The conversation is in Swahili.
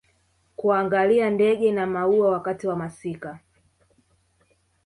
kuangalia ndege na maua wakati wa masika